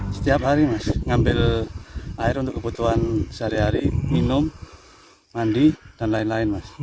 setiap hari mas ngambil air untuk kebutuhan sehari hari minum mandi dan lain lain mas